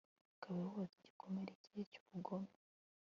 Ntukabe woza igikomere cye cyubugome